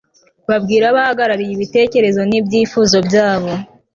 babwire ababahagarariye ibitekerezo n'ibyifuzo byabo